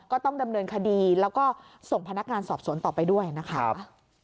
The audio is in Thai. ก็ต้องดำเนินคดีแล้วก็ส่งพนักงานสอบสวนต่อไปด้วยนะคะ